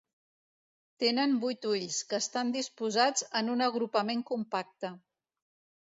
Tenen vuit ulls, que estan disposats en un agrupament compacte.